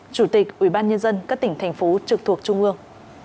chủ tịch ubnd các tỉnh thành phố trực thuộc trung ương